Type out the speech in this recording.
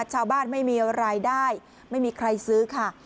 ชาวบ้านไม่มีรายได้ไม่มีใครซื้อค่ะ